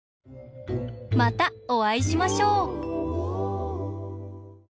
またおあいしましょう。